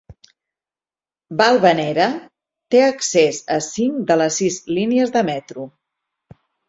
Balvanera té accés a cinc de les sis línies de metro.